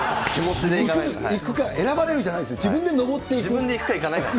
選ばれるじゃないですね、自分でいくかいかないか。